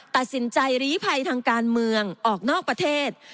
ตัดสินใจลีภัยทางการเมืองออกนอกประเทศ